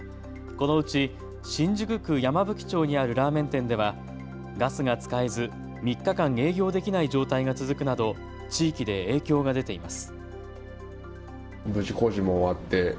このうち新宿区山吹町にあるラーメン店ではガスが使えず３日間営業できない状態が続くなど地域で影響が出ています。